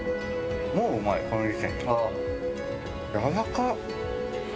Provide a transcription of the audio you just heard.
もううまいこの時点で。